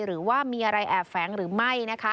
หรือว่ามีอะไรแอบแฝงหรือไม่นะคะ